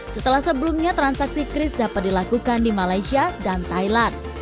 setelah sebelumnya transaksi kris dapat dilakukan di malaysia dan thailand